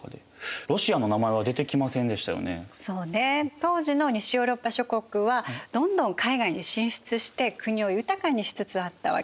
当時の西ヨーロッパ諸国はどんどん海外に進出して国を豊かにしつつあったわけ。